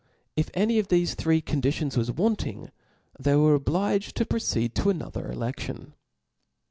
If any of thefe three conditions was Wanting, (*/*sec ihcy wirt obliged tp proceed to another eleftion*